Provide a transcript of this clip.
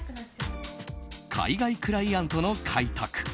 海外クライアントの開拓